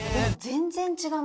全然違う。